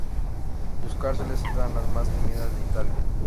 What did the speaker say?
Sus cárceles eran las más temidas de Italia.